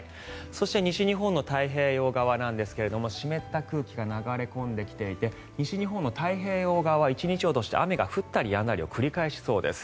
そして、西日本の太平洋側なんですが湿った空気が流れ込んできていて西日本の太平洋側、１日を通して雨が降ったりやんだりを繰り返しそうです。